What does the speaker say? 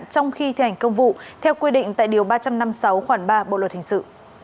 trong khi thi hành công vụ theo quy định tại điều ba trăm năm mươi sáu khoảng ba bộ luật hình sự